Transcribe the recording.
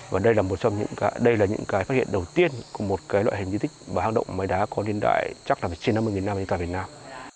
và đây là những phát hiện đầu tiên của một loại hình di tích và hang động máy đá có liên đại chắc là trên năm mươi năm như tại việt nam